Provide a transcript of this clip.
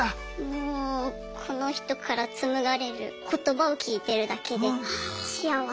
もうこの人から紡がれる言葉を聞いてるだけで幸せ。